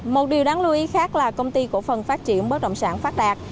một điều đáng lưu ý khác là công ty cổ phần phát triển bất động sản phát đạt